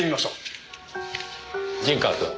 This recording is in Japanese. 陣川くん。